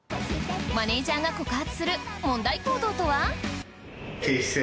マネジャーが告発する問題行動とは？